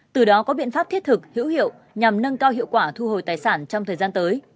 từ đó có biện pháp thiết thực hữu hiệu nhằm nâng cao hiệu quả thu hồi tài sản trong thời gian tới